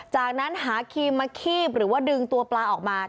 จากนั้นหาครีมมาคีบหรือว่าดึงตัวปลาออกมา